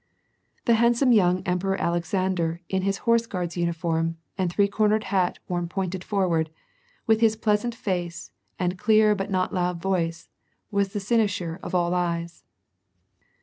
The handsome young Emperor Alexander in his Horse guards' uniform and three cornered hat worn point forward, with his pleasant face and clear but not loud voice, was the cynosure of all eyes.